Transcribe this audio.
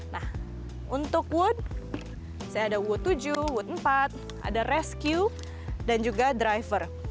nah untuk wood saya ada wood tujuh wood empat ada rescue dan juga driver